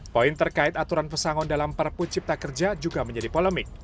poin terkait aturan pesangon dalam perpu cipta kerja juga menjadi polemik